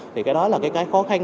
thì cái đó là cái khó khăn